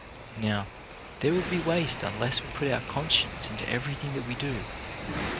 Now, there will be waste unless we put our con science into everything that we do.